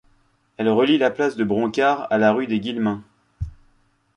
Elle relie la place de Bronckart à la rue des Guillemins.